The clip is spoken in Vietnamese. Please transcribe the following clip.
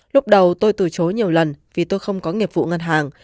lúc đầu tôi từ chối nhiều lần vì tôi không có nghiệp vụ ngân hàng